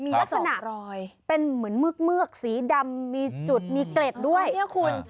มีลักษณะรอยเป็นเหมือนเือกสีดำมีจุดมีเกล็ดด้วยเนี่ยคุณ